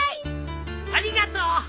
ありがとう！